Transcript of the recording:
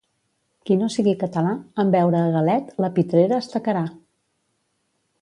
Qui no sigui català, en veure a galet, la pitrera es tacarà.